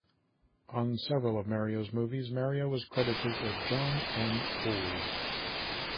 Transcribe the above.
On several of Mario's movies, Mario was credited as John M. Old.